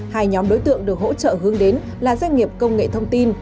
hai nhóm đối tượng được hỗ trợ hướng đến là doanh nghiệp công nghệ thông tin